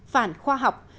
phản khoa học